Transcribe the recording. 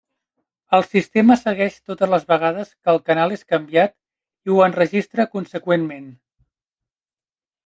El sistema segueix totes les vegades que el canal és canviat i ho enregistra consegüentment.